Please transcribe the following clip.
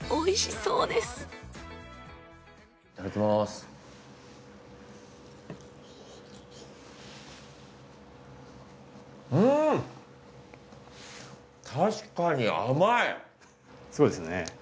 そうですね。